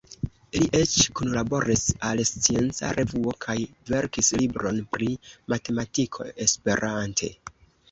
Li eĉ kunlaboris al Scienca Revuo kaj verkis libron pri matematiko esperante.